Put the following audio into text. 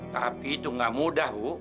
tapi itu gak mudah bu